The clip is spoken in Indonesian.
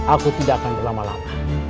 aku tidak akan berlama lama